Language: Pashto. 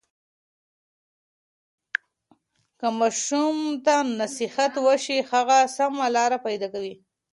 که ماشوم ته نصیحت وشي، هغه سمه لاره پیدا کوي.